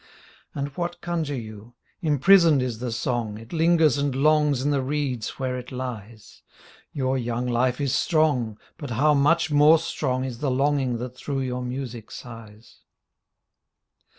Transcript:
And what conjure you? Imprisoned is the song. It lingers and longs in the reeds where it lies ; Your young life is strong, but how much more strong Is the longing that through your music sighs.